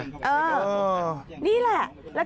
เออนี่แหละ